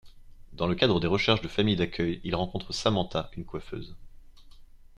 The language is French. Dans le cadre des recherches de familles d’accueil, il rencontre Samantha, une coiffeuse.